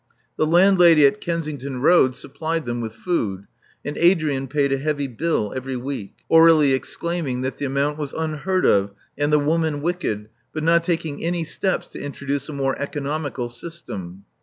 The landlady at Kensington Road supplied them with food; and Adrian paid a heavy bill every week, Aur^lie exclaiming that the amount was unheard of, and the woman wicked, but not taking any steps to introduce a more economical system.